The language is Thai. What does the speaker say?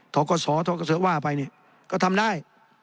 ท้อกศท้อกศว่าไปนี่ก็ทำได้